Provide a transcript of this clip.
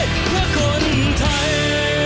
เพื่อคนไทย